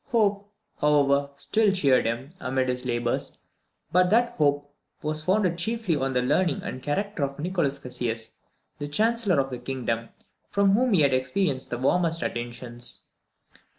Hope, however, still cheered him amid his labours, but that hope was founded chiefly on the learning and character of Nicolas Caasius, the Chancellor of the Kingdom, from whom he had experienced the warmest attentions.